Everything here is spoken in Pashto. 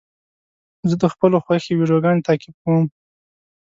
زه د خپلو خوښې ویډیوګانو تعقیب کوم.